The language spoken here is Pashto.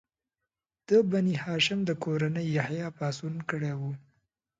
د بني هاشم د کورنۍ یحیی پاڅون کړی و.